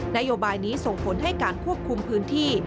นโยบายนี้ส่งผลให้การควบคุมพื้นที่